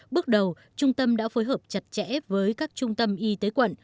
bước đầu trung tâm đã phối hợp chặt chẽ với các trung tâm y tế quận